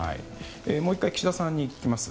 もう１回岸田さんに聞きます。